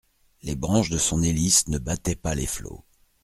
Les branches de son hélice ne battaient pas les flots.